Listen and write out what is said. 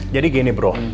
jadi gini bro